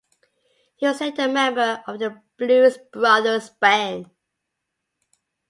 He was later a member of the Blues Brothers band.